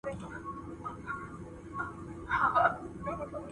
سیاستوال د فردي حقونو په اړه څه وایي؟